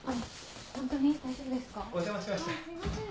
すいません。